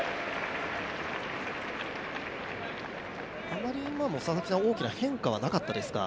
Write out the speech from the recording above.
あまり今の、大きな変化はなかったですか？